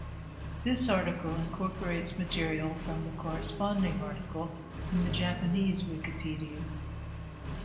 This article incorporates material from the corresponding article in the Japanese Wikipedia.